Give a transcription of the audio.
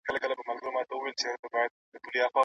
ايا حضوري تدريس د تمرين اصلاح ژر ترسره کوي؟